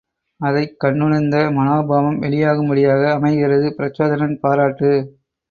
அதைக் கண்டுணர்ந்த மனோபாவம் வெளியாகும்படியாக அமைகிறது பிரச்சோதனன் பாராட்டு.